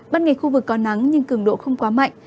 bắt nghịch khu vực có nắng nhưng cứng độ không quá mạnh